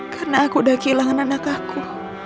karena aku udah kehilangan anak aku